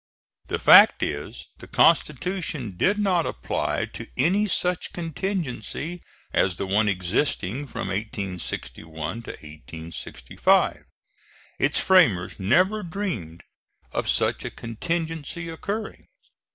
The fact is the constitution did not apply to any such contingency as the one existing from 1861 to 1865. Its framers never dreamed of such a contingency occurring.